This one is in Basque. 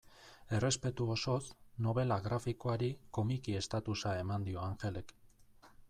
Errespetu osoz, nobela grafikoari komiki estatusa eman dio Angelek.